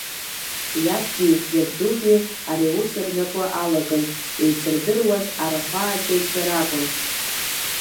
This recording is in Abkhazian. Иабгьы, иабдугьы ари аус рнапы алакын, еицырдыруаз арахәааӡаҩцәа ракәын.